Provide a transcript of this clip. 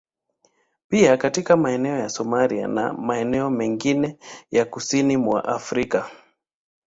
Pia katika maeneo ya Somalia na maeneo mengine ya kusini mwa Afrika